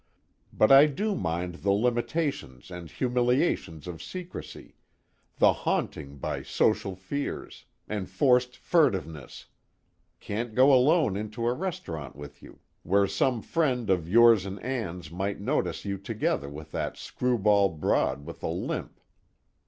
But I do mind the limitations and humiliations of secrecy, the haunting by social fears, enforced furtiveness can't go alone into a restaurant with you, where some friend of yours and Ann's might notice you together with that screwball broad with the limp.